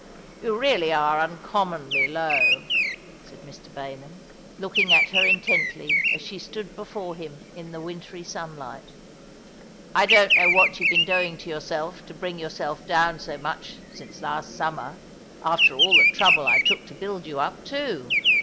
"You really are uncommonly low," said Mr. Baynham, looking at her intently as she stood before hiLQ in th3 wintry sunlight "I don't know what you've been doing to yourself to bring yourself down so much since last summer — after all the trouble I took to build you up, too.